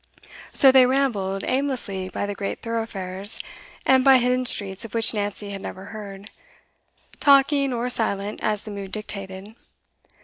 So they rambled aimlessly by the great thoroughfares, and by hidden streets of which Nancy had never heard, talking or silent as the mood dictated.